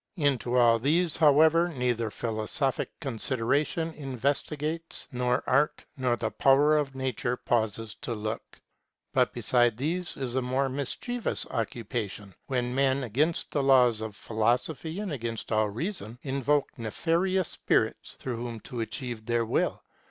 Into all these, however, neither philosophic consideration investigates, nor art, nor the power of nature pauses to look. But beside these is a more mischievous occupation, when men, against the laws of philosophy and against all reason, invoke nefarious spirits, through whom to achieve their will.